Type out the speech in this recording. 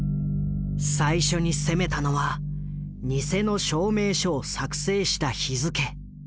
最初に攻めたのは偽の証明書を作成した日付。